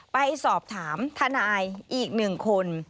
ไปสอบถามทนายอีกหนึ่งคน